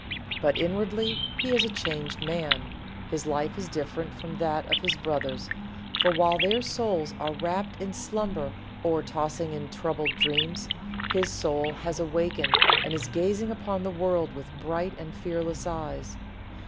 But inwardly he is a changed man his life is different from that of his brothers, for while their souls are wrapped in slumber or are tossing in troubled dreams, his Soul has awakened and is gazing upon the world with bright and fearless eyes.